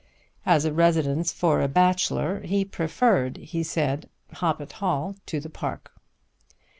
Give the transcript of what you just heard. As a residence for a bachelor he preferred, he said, Hoppet Hall to the park.